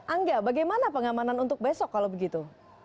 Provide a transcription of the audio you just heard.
angga bagaimana pengamanan untuk besok kalau begitu